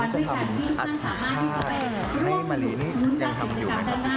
จะทำอาจภาคให้มารีนี่ยังทำอยู่ไหมครับ